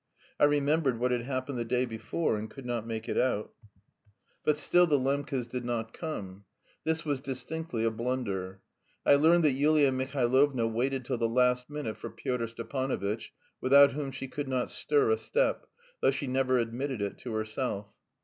I remembered what had happened the day before and could not make it out. But still the Lembkes did not come. This was distinctly a blunder. I learned that Yulia Mihailovna waited till the last minute for Pyotr Stepanovitch, without whom she could not stir a step, though she never admitted it to herself.